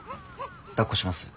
だっこします？